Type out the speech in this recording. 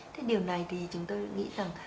thế điều này thì chúng tôi nghĩ rằng